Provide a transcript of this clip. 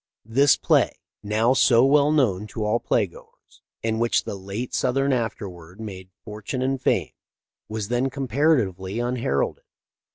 This play, now so well known to all play goers, in which the late Sothern afterward made fortune and fame, was then comparatively unheralded.